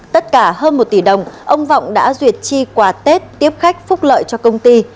tất cả hơn một tỷ đồng ông vọng đã duyệt chi quà tết tiếp khách phúc lợi cho công ty